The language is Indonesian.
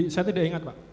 saya tidak ingat pak